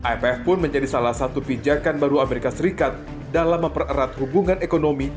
imf pun menjadi salah satu pijakan baru amerika serikat dalam mempererat hubungan ekonomi